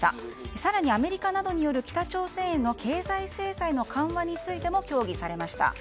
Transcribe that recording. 更にアメリカなどによる北朝鮮への経済制裁の緩和についても協議されました。